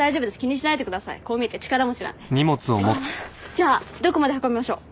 じゃあどこまで運びましょう？